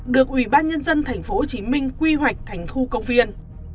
được ủy ban nhân dân tp hcm quy hoạch thành khu công viên